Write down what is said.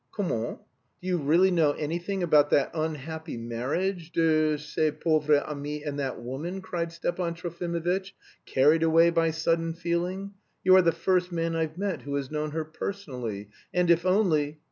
"Comment! Do you really know anything about that unhappy marriage de ce pauvre ami and that woman," cried Stepan Trofimovitch, carried away by sudden feeling. "You are the first man I've met who has known her personally; and if only..."